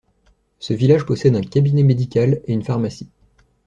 Ce village possède un cabinet médical et une pharmacie.